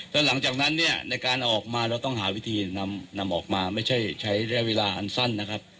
แล้วหลังจากนั้นเนี่ยในการออกมาเราต้องหาวิธีนำออกมาไม่ใช่ใช้ระยะเวลาอันสั้นนะครับ